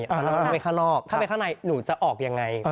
ถ้าไปข้างนอกเข้าไปข้างในหนูจะออกยังไง